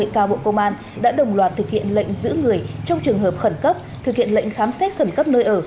cao bộ công an đã đồng loạt thực hiện lệnh giữ người trong trường hợp khẩn cấp thực hiện lệnh khám xét khẩn cấp nơi ở